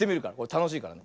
たのしいからね。